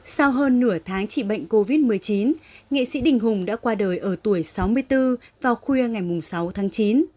sau hơn nửa tháng trị bệnh covid một mươi chín nghệ sĩ đình hùng đã qua đời ở tuổi sáu mươi bốn vào khuya ngày sáu tháng chín